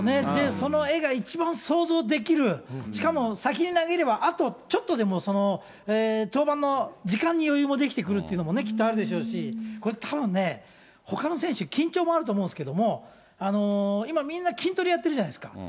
その絵が一番想像できる、しかも先に投げれば、あとはちょっとでも、登板の時間に余裕もできてくるっていうのもきっとあるでしょうし、これ、たぶんね、ほかの選手、緊張もあると思うんですけど、今、みんな、筋トレやってるじゃないですか。